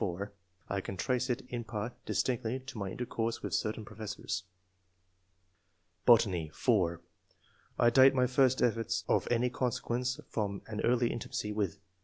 (24) I can trace it [in part] distinctly to my intercourse with certain professors. Botany. ^{4c) I date my first efforts of any consequence from an early intimacy with